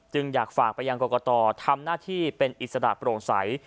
จึงอยากฝากประยังกลกต่อทำหน้าที่เป็นอิสระดาษโปร่งใส